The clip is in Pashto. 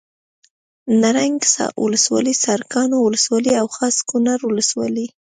نرنګ ولسوالي سرکاڼو ولسوالي او خاص کونړ ولسوالي